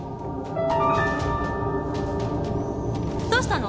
どうしたの？